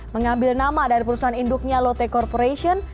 mengambil nama dari perusahaan induknya lotte corporation